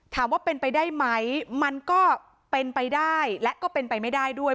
ถามว่าเป็นไปได้ไหมมันก็เป็นไปได้และก็เป็นไปไม่ได้ด้วย